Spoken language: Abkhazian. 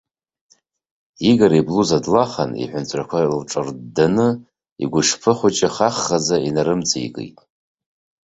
Игор иблуз длахан, аҳәынҵәрақәа лҿырддны, игәашԥы хәыҷы хахаӡа инарымҵеикит.